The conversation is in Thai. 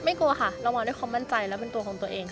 ไม่กลัวค่ะเรามาเป็นความมั่นใจและเป็นตัวของตัวเองค่ะ